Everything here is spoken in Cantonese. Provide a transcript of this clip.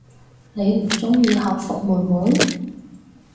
你唔鍾意校服妹妹？